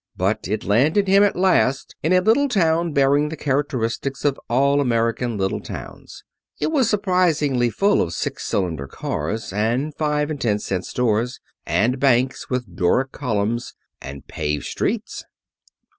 But it landed him at last in a little town bearing the characteristics of all American little towns. It was surprisingly full of six cylinder cars, and five and ten cent stores, and banks with Doric columns, and paved streets.